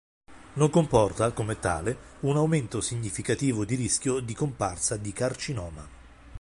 Non comporta come tale un aumento significativo di rischio di comparsa di carcinoma.